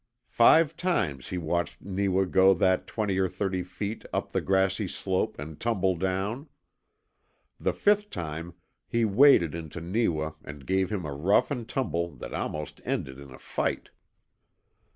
Five times he watched Neewa go that twenty or thirty feet up the grassy slope and tumble down. The fifth time he waded into Neewa and gave him a rough and tumble that almost ended in a fight.